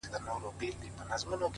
له دې جهانه بېل وي!